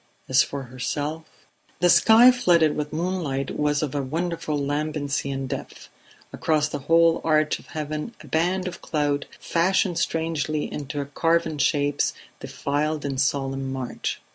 As for herself ... The sky, flooded with moonlight, was of a wonderful lambency and depth; across the whole arch of heaven a band of cloud, fashioned strangely into carven shapes, defiled in solemn march.